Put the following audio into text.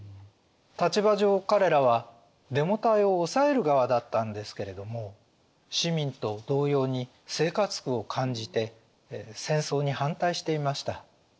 立場上彼らはデモ隊を抑える側だったんですけれども市民と同様に生活苦を感じて戦争に反対していました。